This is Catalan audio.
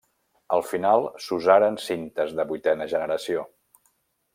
Al final, s'usaren cintes de vuitena generació.